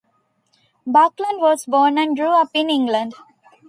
Buckland was born and grew up in England.